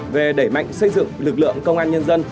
về đẩy mạnh xây dựng lực lượng công an nhân dân